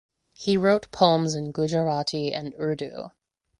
He wrote poems in Gujarati and Urdu.